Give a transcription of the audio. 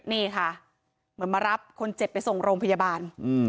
นี่ค่ะเหมือนมารับคนเจ็บไปส่งโรงพยาบาล